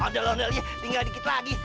aduh nelnya tinggal dikit lagi